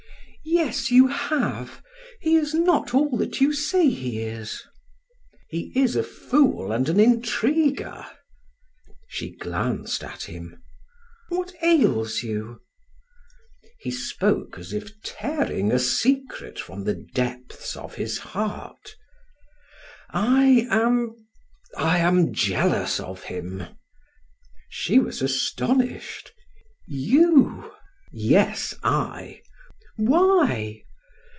"Yes, you have. He is not all that you say he is." "He is a fool, and an intriguer." She glanced at him: "What ails you?" He spoke as if tearing a secret from the depths of his heart: "I am I am jealous of him." She was astonished. "You?" "Yes, I." "Why?"